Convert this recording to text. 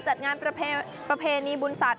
จัดงานประเพณีบุญศาสต